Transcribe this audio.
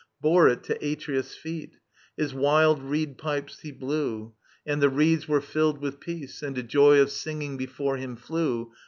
Bore it to Atreus' feet : His wild reed pipes he blew, And the reeds were filled with peace, And a J07 of singing before him flew.